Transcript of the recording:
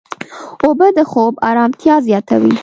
اوبه د خوب ارامتیا زیاتوي.